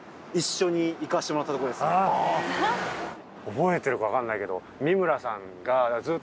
覚えてるか分かんないけど。